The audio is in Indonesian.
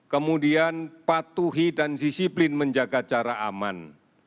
kemudian patuhi dan disiplin menjaga cara aman